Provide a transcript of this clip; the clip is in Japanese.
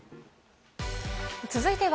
続いては「＃